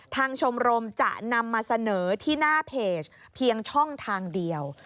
ชมรมจะนำมาเสนอที่หน้าเพจเพียงช่องทางเดียว